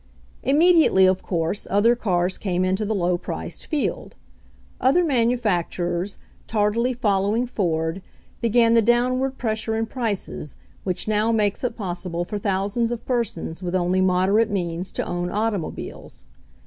Immediately, of course, other cars came into the low priced field. Other manufacturers, tardily following Ford, began the downward pres sure in prices which now makes it possible for thousands of persons with only moderate means to own automobiles.